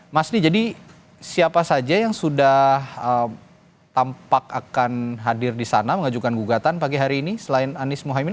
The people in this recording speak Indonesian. mas ini jadi siapa saja yang sudah tampak akan hadir di sana mengajukan gugatan pagi hari ini selain anies mohaimin